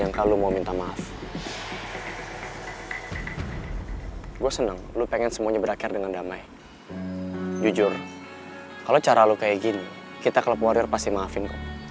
aku baru di maduin